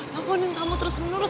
nelfonin kamu terus menerus